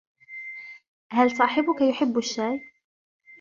هل صاحبك يحب الشاي ؟